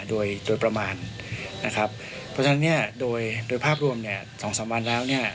โดยประมาณนะครับเพราะฉะนั้นโดยภาพรวม๒๓วันแล้ว